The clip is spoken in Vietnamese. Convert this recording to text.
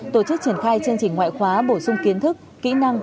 tổ chức triển khai chương trình ngoại khóa bổ sung kiến thức kỹ năng